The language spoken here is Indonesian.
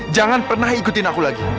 jangan pernah ikutin aku lagi